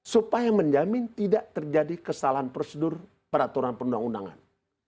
supaya menjamin tidak terjadi kesalahan prosedur peraturan perundang undangan